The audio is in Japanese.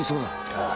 ああ。